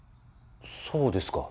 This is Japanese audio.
そうですか。